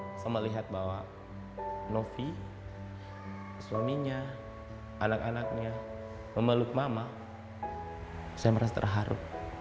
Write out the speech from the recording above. saya melihat bahwa novi suaminya anak anaknya memeluk mama saya merasa terharu